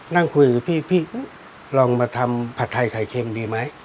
นั่งคุยกับพี่ลองมาทำผัดไทยไข่เค็มดีไหม